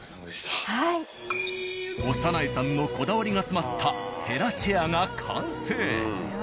長内さんのこだわりが詰まったヘラチェアが完成。